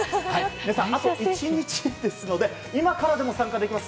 皆さん、あと１日ですので今からでも参加できます。